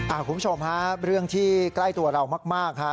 คุณผู้ชมฮะเรื่องที่ใกล้ตัวเรามากฮะ